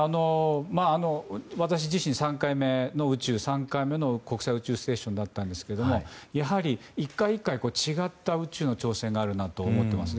私自身３回目の宇宙３回目の国際宇宙ステーションだったんですけどやはり１回１回違った宇宙の挑戦があるなと思ったんですね。